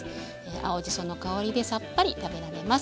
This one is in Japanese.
青じその香りでさっぱり食べられます。